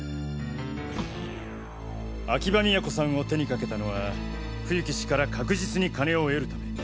秋葉都さんを手にかけたのは冬木氏から確実に金を得るため。